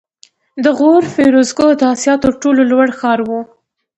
د غور فیروزکوه د اسیا تر ټولو لوړ ښار و